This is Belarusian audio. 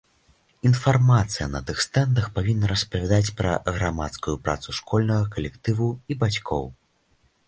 Інфармацыя на тых стэндах павінна распавядаць пра грамадскую працу школьнага калектыву і бацькоў.